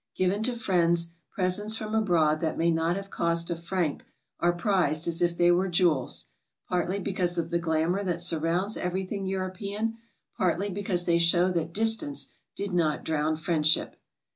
Given to friends, presents from abroad that may not have cost a franc are prized as if they we*re jewels, partly because of the glamour that sur rounds everything European, partly because they show that distance did not drown friendship.